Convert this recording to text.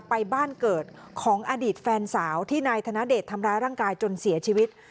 ไปบ้านเกิดของอดีตแฟนสาวที่นายธนเดชทำร้ายร่างกายจนเสียชีวิต